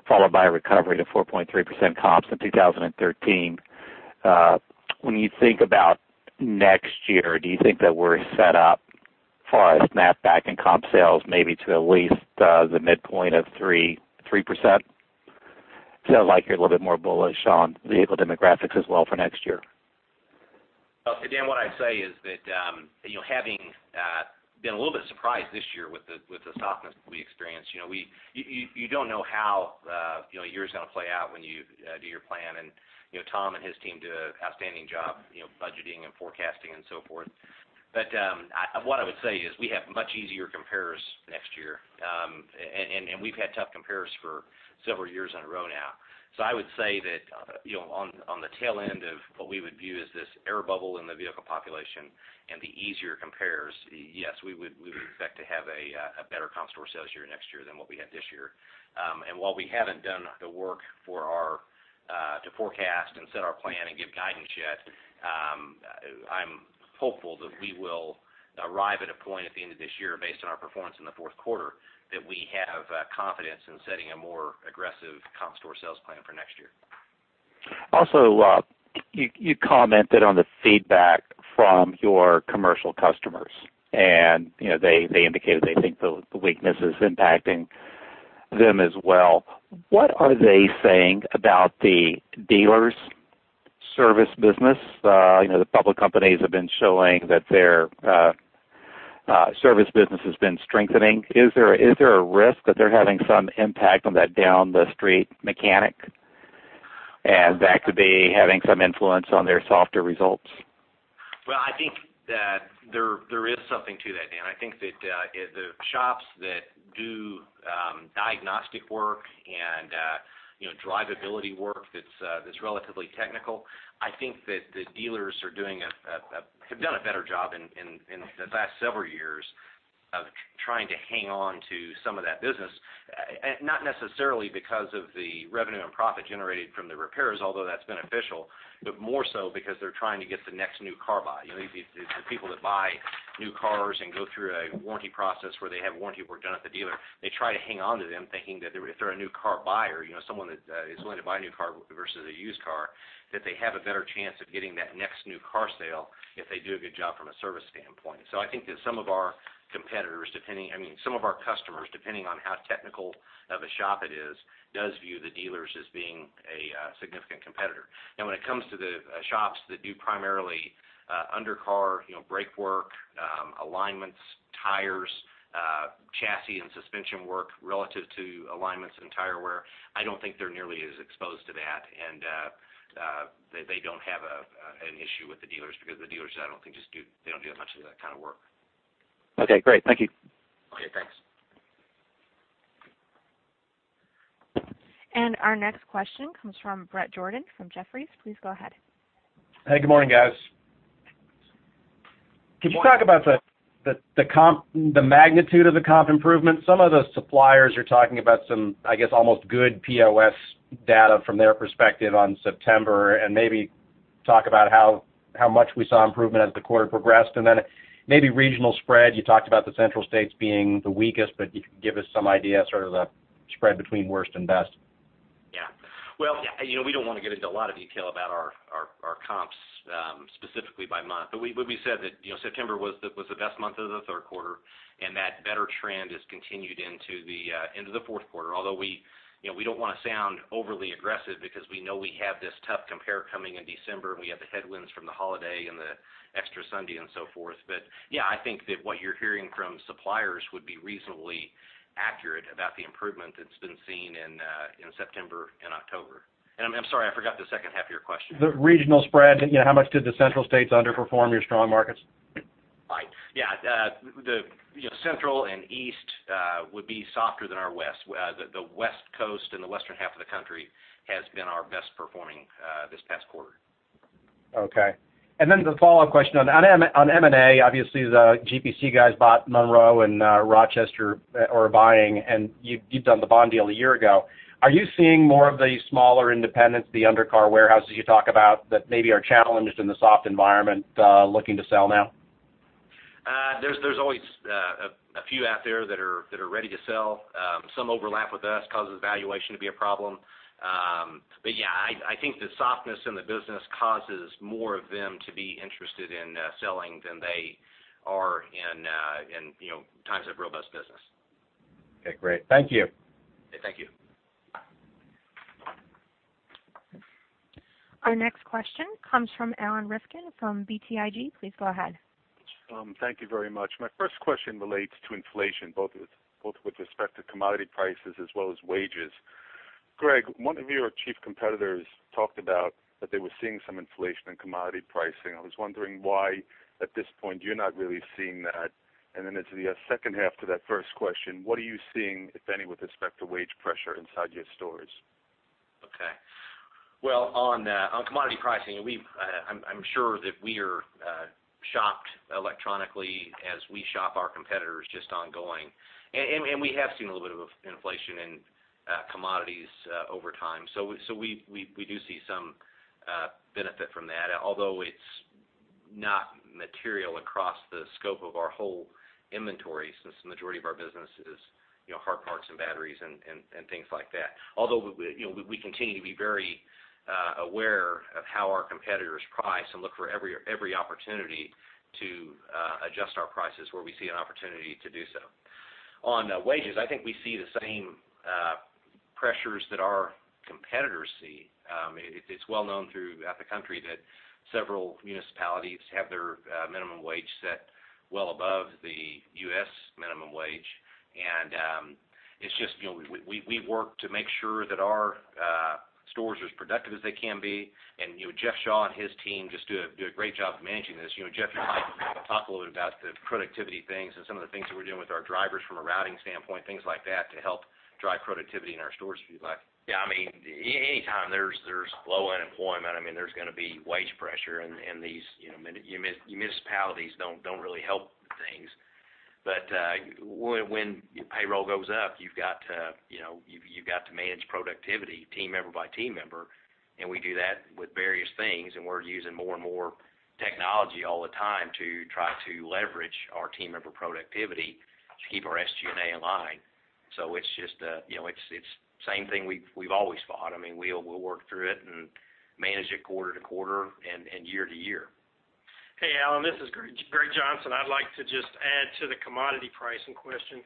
followed by a recovery to 4.3% comps in 2013. When you think about next year, do you think that we're set up as far as snapback in comp sales, maybe to at least the midpoint of 3%? Sounds like you're a little bit more bullish on vehicle demographics as well for next year. Dan, what I'd say is that, having been a little bit surprised this year with the softness we experienced, you don't know how the year is going to play out when you do your plan. Tom and his team do an outstanding job budgeting and forecasting and so forth. What I would say is we have much easier compares next year, and we've had tough compares for several years in a row now. I would say that on the tail end of what we would view as this air bubble in the vehicle population and the easier compares, yes, we would expect to have a better comp store sales year next year than what we had this year. While we haven't done the work to forecast and set our plan and give guidance yet, I'm hopeful that we will arrive at a point at the end of this year based on our performance in the fourth quarter, that we have confidence in setting a more aggressive comp store sales plan for next year. You commented on the feedback from your commercial customers. They indicated they think the weakness is impacting them as well. What are they saying about the dealers' service business? The public companies have been showing that their service business has been strengthening. Is there a risk that they're having some impact on that down the street mechanic, and that could be having some influence on their softer results? Well, I think that there is something to that, Dan. I think that the shops that do diagnostic work and drivability work that's relatively technical, I think that the dealers have done a better job in the last several years of trying to hang on to some of that business, not necessarily because of the revenue and profit generated from the repairs, although that's beneficial, but more so because they're trying to get the next new car buy. The people that buy new cars and go through a warranty process where they have warranty work done at the dealer, they try to hang on to them thinking that if they're a new car buyer, someone that is willing to buy a new car versus a used car, that they have a better chance of getting that next new car sale if they do a good job from a service standpoint. I think that some of our customers, depending on how technical of a shop it is, does view the dealers as being a significant competitor. Now, when it comes to the shops that do primarily under car brake work, alignments, tires, chassis and suspension work relative to alignments and tire wear, I don't think they're nearly as exposed to that. They don't have an issue with the dealers because the dealers, I don't think, they don't do as much of that kind of work. Okay, great. Thank you. Okay, thanks. Our next question comes from Bret Jordan from Jefferies. Please go ahead. Hey, good morning, guys. Good morning. Could you talk about the magnitude of the comp improvement? Some of the suppliers are talking about some, I guess, almost good POS data from their perspective on September, and maybe talk about how much we saw improvement as the quarter progressed, then maybe regional spread. You talked about the central states being the weakest, but if you could give us some idea, sort of the spread between worst and best. Yeah. Well, we don't want to get into a lot of detail about our comps, specifically by month. We said that September was the best month of the third quarter, and that better trend has continued into the fourth quarter. We don't want to sound overly aggressive because we know we have this tough compare coming in December, and we have the headwinds from the holiday and the extra Sunday and so forth. Yeah, I think that what you're hearing from suppliers would be reasonably accurate about the improvement that's been seen in September and October. I'm sorry, I forgot the second half of your question. The regional spread, how much did the central states underperform your strong markets? Right. Yeah. The Central and East would be softer than our West. The West Coast and the western half of the country has been our best performing this past quarter. Okay. The follow-up question on M&A, obviously, the GPC guys bought Monroe, and Rochester are buying, and you've done the bond deal a year ago. Are you seeing more of the smaller independents, the under-car warehouses you talk about, that maybe are challenged in the soft environment, looking to sell now? There's always a few out there that are ready to sell. Some overlap with us causes valuation to be a problem. Yeah, I think the softness in the business causes more of them to be interested in selling than they are in times of robust business. Okay, great. Thank you. Thank you. Our next question comes from Alan Rifkin from BTIG. Please go ahead. Thank you very much. My first question relates to inflation, both with respect to commodity prices as well as wages. Greg, one of your chief competitors talked about that they were seeing some inflation in commodity pricing. I was wondering why, at this point, you're not really seeing that. Then to the second half to that first question, what are you seeing, if any, with respect to wage pressure inside your stores? Okay. Well, on commodity pricing, I'm sure that we are shopped electronically as we shop our competitors just ongoing. We have seen a little bit of inflation in commodities over time. We do see some benefit from that, although it's not material across the scope of our whole inventory since the majority of our business is hard parts and batteries and things like that. Although, we continue to be very aware of how our competitors price and look for every opportunity to adjust our prices where we see an opportunity to do so. On wages, I think we see the same pressures that our competitors see. It's well known throughout the country that several municipalities have their minimum wage set well above the U.S. minimum wage. We work to make sure that our stores are as productive as they can be. Jeff Shaw and his team just do a great job of managing this. Jeff, you might talk a little bit about the productivity things and some of the things that we're doing with our drivers from a routing standpoint, things like that to help drive productivity in our stores, if you'd like. Anytime there's low unemployment, there's going to be wage pressure, and these municipalities don't really help things. When payroll goes up, you've got to manage productivity team member by team member, and we do that with various things, and we're using more and more technology all the time to try to leverage our team member productivity to keep our SG&A in line. It's the same thing we've always fought. We'll work through it and manage it quarter to quarter and year to year. Hey, Alan, this is Greg Johnson. I'd like to just add to the commodity pricing question.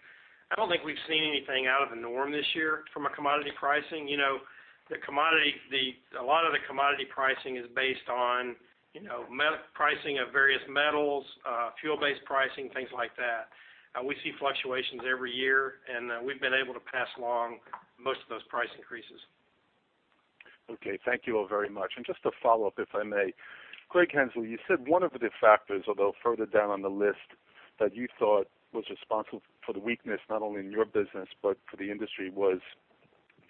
I don't think we've seen anything out of the norm this year from a commodity pricing. A lot of the commodity pricing is based on pricing of various metals, fuel-based pricing, things like that. We see fluctuations every year, and we've been able to pass along most of those price increases. Okay. Thank you all very much. Just a follow-up, if I may. Greg Henslee, you said one of the factors, although further down on the list, that you thought was responsible for the weakness, not only in your business, but for the industry, was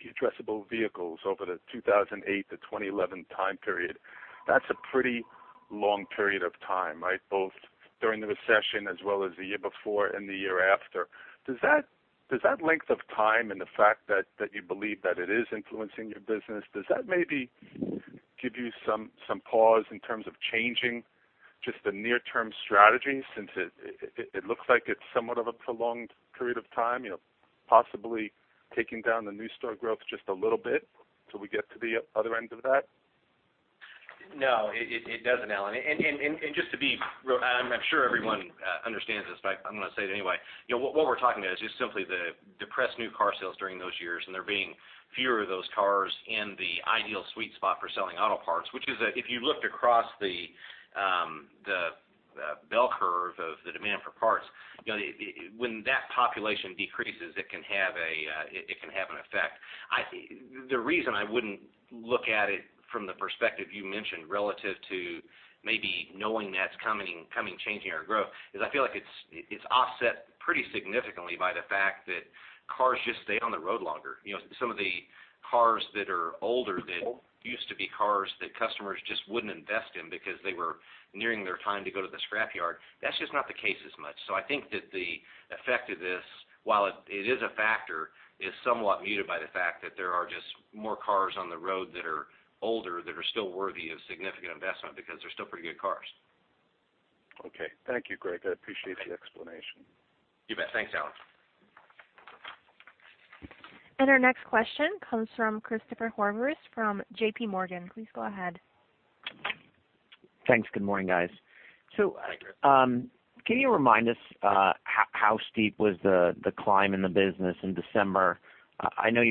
the addressable vehicles over the 2008 to 2011 time period. That's a pretty long period of time, right? Both during the recession as well as the year before and the year after. Does that length of time and the fact that you believe that it is influencing your business, does that maybe give you some pause in terms of changing Just the near-term strategy, since it looks like it's somewhat of a prolonged period of time, possibly taking down the new store growth just a little bit till we get to the other end of that? No, it doesn't, Alan. I'm sure everyone understands this, but I'm going to say it anyway. What we're talking about is just simply the depressed new car sales during those years, and there being fewer of those cars in the ideal sweet spot for selling auto parts. Which is, if you looked across the bell curve of the demand for parts, when that population decreases, it can have an effect. The reason I wouldn't look at it from the perspective you mentioned relative to maybe knowing that's coming, changing our growth, is I feel like it's offset pretty significantly by the fact that cars just stay on the road longer. Some of the cars that are older, that used to be cars that customers just wouldn't invest in because they were nearing their time to go to the scrapyard, that's just not the case as much. I think that the effect of this, while it is a factor, is somewhat muted by the fact that there are just more cars on the road that are older, that are still worthy of significant investment because they're still pretty good cars. Okay. Thank you, Greg. I appreciate the explanation. You bet. Thanks, Alan. Our next question comes from Christopher Horvers from JPMorgan. Please go ahead. Thanks. Good morning, guys. Can you remind us how steep was the climb in the business in December? I know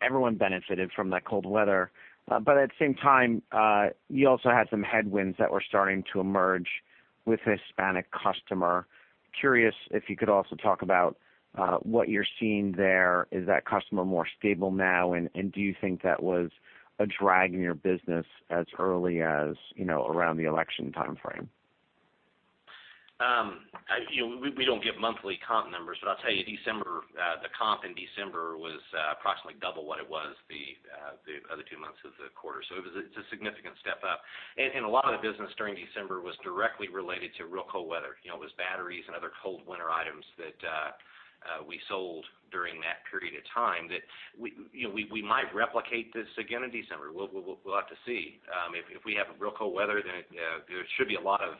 everyone benefited from that cold weather. At the same time, you also had some headwinds that were starting to emerge with the Hispanic customer. Curious if you could also talk about what you're seeing there. Is that customer more stable now, and do you think that was a drag in your business as early as around the election timeframe? We don't give monthly comp numbers, I'll tell you, the comp in December was approximately double what it was the other two months of the quarter. It was a significant step up. A lot of the business during December was directly related to real cold weather. It was batteries and other cold winter items that we sold during that period of time that we might replicate this again in December. We'll have to see. If we have a real cold weather, there should be a lot of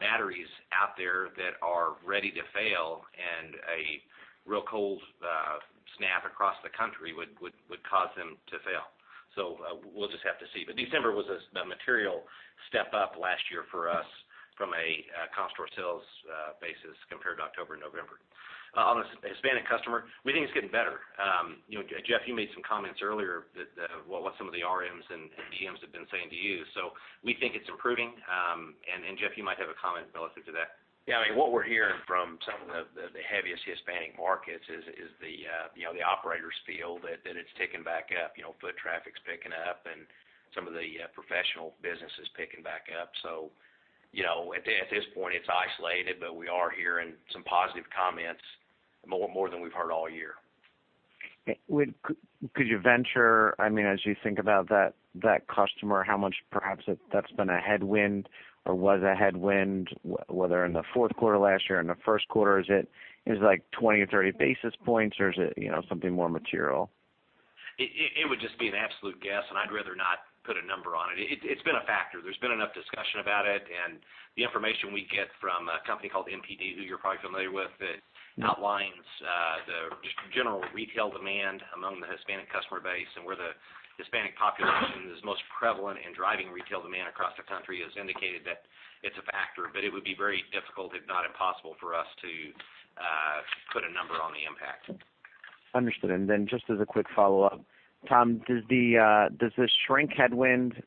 batteries out there that are ready to fail, and a real cold snap across the country would cause them to fail. We'll just have to see. December was a material step up last year for us from a comp store sales basis compared to October, November. On the Hispanic customer, we think it's getting better. Jeff, you made some comments earlier that what some of the RMs and GMs have been saying to you. We think it's improving. Jeff, you might have a comment relative to that. Yeah, what we're hearing from some of the heaviest Hispanic markets is the operators feel that it's ticking back up, foot traffic's picking up and some of the professional business is picking back up. At this point it's isolated, we are hearing some positive comments, more than we've heard all year. Could you venture, as you think about that customer, how much perhaps that's been a headwind or was a headwind, whether in the fourth quarter last year, in the first quarter, is it like 20 or 30 basis points, or is it something more material? It would just be an absolute guess, I'd rather not put a number on it. It's been a factor. There's been enough discussion about it, The information we get from a company called NPD, who you're probably familiar with, that outlines the just general retail demand among the Hispanic customer base and where the Hispanic population is most prevalent in driving retail demand across the country, has indicated that it's a factor, it would be very difficult, if not impossible, for us to put a number on the impact. Understood. Just as a quick follow-up, Tom, does this shrink headwind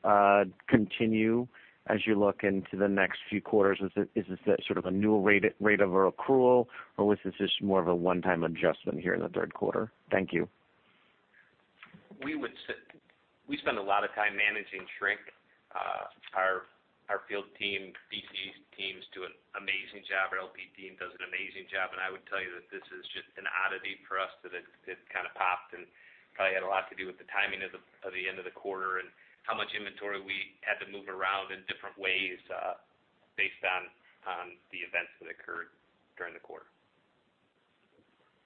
continue as you look into the next few quarters? Is this sort of a new rate of accrual, or was this just more of a one-time adjustment here in the third quarter? Thank you. We spend a lot of time managing shrink. Our field team, DC teams do an amazing job. Our LP team does an amazing job, I would tell you that this is just an oddity for us, that it kind of popped and probably had a lot to do with the timing of the end of the quarter and how much inventory we had to move around in different ways based on the events that occurred during the quarter.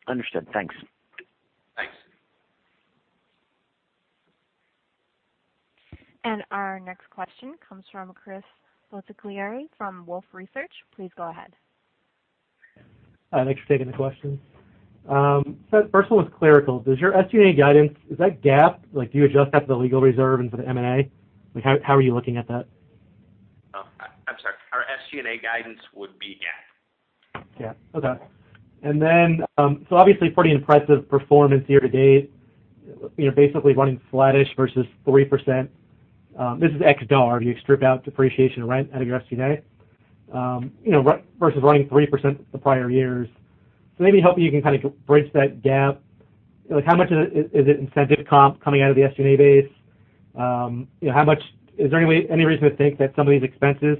Understood. Thanks. Thanks. Our next question comes from Chris Bottiglieri from Wolfe Research. Please go ahead. Thanks for taking the question. First one was clerical. Does your SG&A guidance, is that GAAP? Do you adjust that for the legal reserve and for the M&A? How are you looking at that? Oh, I'm sorry. Our SG&A guidance would be GAAP. GAAP. Okay. Obviously, pretty impressive performance year to date. Basically running flattish versus 3%. This is ex dollar. Do you strip out depreciation rent out of your SG&A? Versus running 3% the prior years. Maybe helping you can kind of bridge that gap. How much of it is incentive comp coming out of the SG&A base? Is there any reason to think that some of these expenses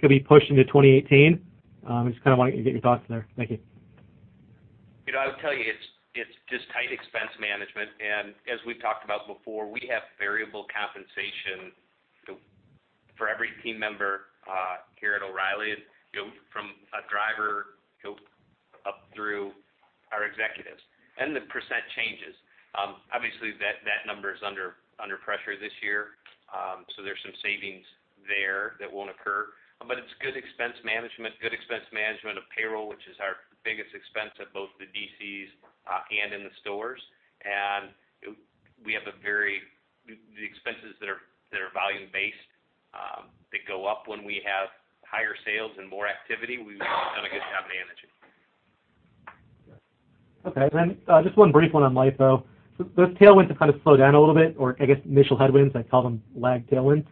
could be pushed into 2018? I just kind of want to get your thoughts there. Thank you. I would tell you it's just tight expense management. As we've talked about before, we have variable compensation for every team member here at O'Reilly. The percent changes. Obviously, that number is under pressure this year. There's some savings there that won't occur. It's good expense management of payroll, which is our biggest expense at both the DCs and in the stores. The expenses that are volume-based, that go up when we have higher sales and more activity, we've done a good job managing. Okay. Just one brief one on LIFO. Those tailwinds have kind of slowed down a little bit, or I guess initial headwinds, I call them lag tailwinds.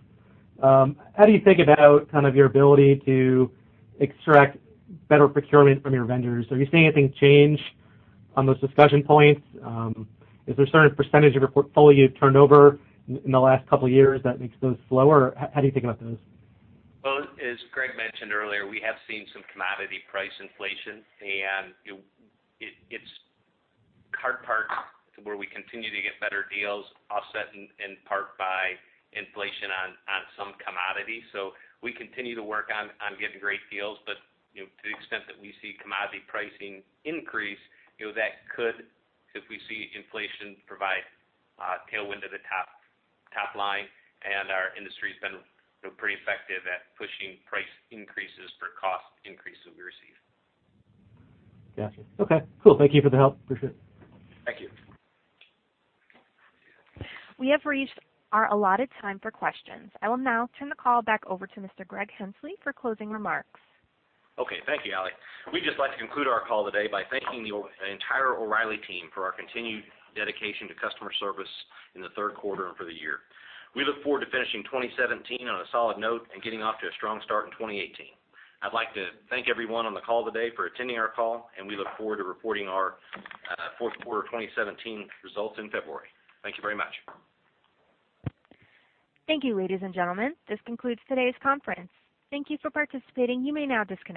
How do you think about your ability to extract better procurement from your vendors? Are you seeing anything change on those discussion points? Is there a certain percentage of your portfolio you've turned over in the last couple of years that makes those slower? How do you think about those? As Greg mentioned earlier, we have seen some commodity price inflation, and it's car parts where we continue to get better deals, offset in part by inflation on some commodities. We continue to work on getting great deals, but to the extent that we see commodity pricing increase, that could, if we see inflation provide tailwind to the top line, and our industry's been pretty effective at pushing price increases for cost increases we receive. Got you. Okay, cool. Thank you for the help. Appreciate it. Thank you. We have reached our allotted time for questions. I will now turn the call back over to Mr. Greg Henslee for closing remarks. Okay. Thank you, Allie. We'd just like to conclude our call today by thanking the entire O'Reilly team for our continued dedication to customer service in the third quarter and for the year. We look forward to finishing 2017 on a solid note and getting off to a strong start in 2018. I'd like to thank everyone on the call today for attending our call, and we look forward to reporting our fourth quarter 2017 results in February. Thank you very much. Thank you, ladies and gentlemen. This concludes today's conference. Thank you for participating. You may now disconnect.